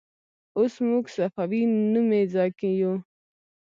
اوس موږ صفوي نومې ځای کې یو.